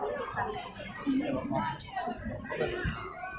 เวลาแรกพี่เห็นแวว